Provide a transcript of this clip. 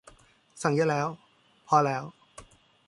สั่งเยอะแล้ว พอแล้ว